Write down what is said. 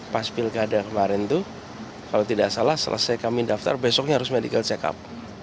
pas pilkada kemarin itu kalau tidak salah selesai kami daftar besoknya harus medical check up